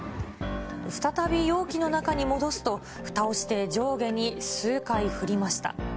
再び容器の中に戻すと、ふたをして上下に数回振りました。